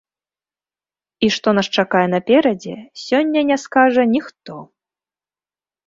І што нас чакае наперадзе, сёння не скажа ніхто.